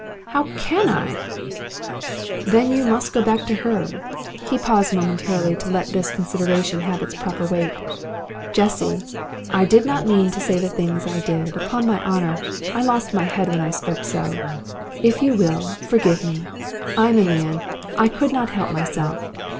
"How CAN I?" "Then you must go back to her." He paused momentarily, to let this consideration have its proper weight. "Jessie, I did not mean to say the things I did. Upon my honour, I lost my head when I spoke so. If you will, forgive me. I am a man. I could not help myself.